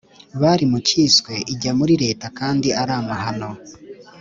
bari mu cyiswe ijya muri leta kandi ari amahano